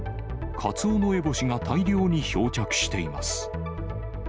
カツオノエボシが大量に漂着しています。